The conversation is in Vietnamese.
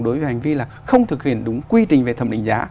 đối với hành vi là không thực hiện đúng quy trình về thẩm định giá